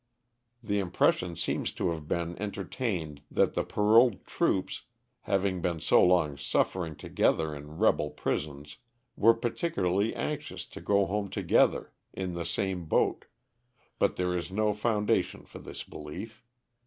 '*The impression seems to have baen entertained that the paroled troops, having been so long suffering together in rebel prisons, wore particularly anxious to go home together in the same boat, but there is no foun iation for this belief.